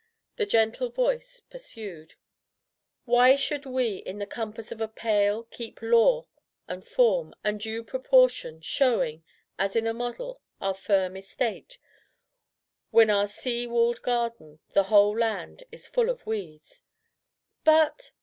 The gentle voice pursued: "*Why should we in the compass of a pale Keep laWy and fomiy and due proportion Showing, as in a model, our firm estate, When our sea walled garden, the whole land, Is full of weeds— ?'" "But!"